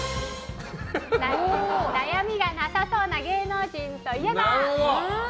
悩みがなさそうな芸能人といえば？